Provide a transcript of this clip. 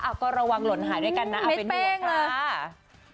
อ้าวก็ระวังหล่นหายด้วยกันนะเอาเป็นดวงค่ะไม่เป็นเลย